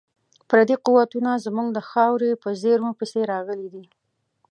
پردي قوتونه زموږ د خاورې په زیرمو پسې راغلي دي.